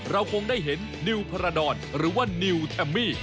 เราคงได้เห็นนิวพาราดรหรือว่านิวแทมมี่